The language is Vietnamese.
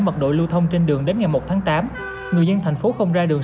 mật đội lưu thông trên đường đến ngày một tháng tám người dân tp hcm không ra đường